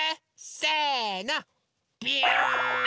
せのビョーン！